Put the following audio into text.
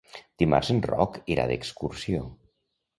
Dimarts en Roc irà d'excursió.